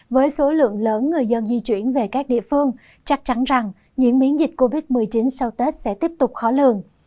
với số lượng lớn người dân di chuyển về các địa phương chắc chắn rằng diễn biến dịch covid một mươi chín sau tết sẽ tiếp tục khó lường